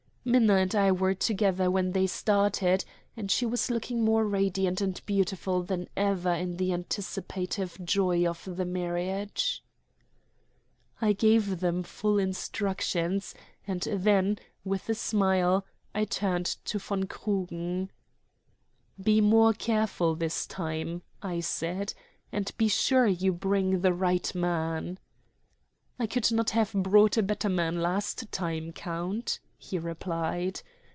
Minna and I were together when they started, and she was looking more radiant and beautiful than ever in the anticipative joy of the marriage. I gave them full instructions, and then, with a smile, I turned to von Krugen. "Be more careful this time," I said, "and be sure you bring the right man." "I could not have brought a better man last time, count," he replied.